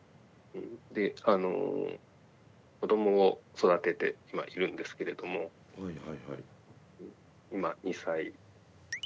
子どもを育てて今いるんですけれども今２歳もうすぐ３歳。